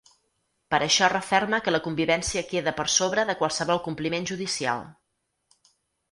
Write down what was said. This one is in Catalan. Per això referma que la convivència queda per sobre de qualsevol compliment judicial.